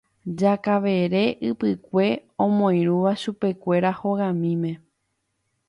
Jakavere Ypykue omoirũva chupekuéra hogamíme.